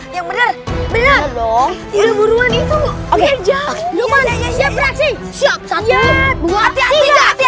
ya bener bener loh ilmu ruan itu oke jauh ya ya ya ya beraksi siap siap hati hati